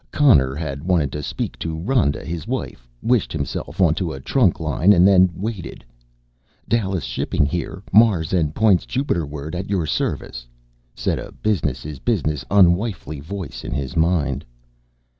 Connor had wanted to speak to Rhoda, his wife, wished himself onto a trunk line and then waited. "Dallas Shipping here, Mars and points Jupiterward, at your service," said a business is business, unwifely voice in his mind.